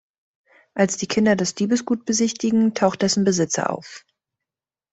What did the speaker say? Als die Kinder das Diebesgut besichtigen, taucht dessen Besitzer auf.